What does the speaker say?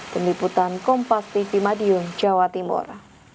peniputan kompas tv madiun jawa timur